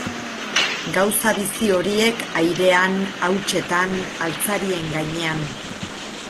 Gauza bizi horiek airean, hautsetan, altzarien gainean...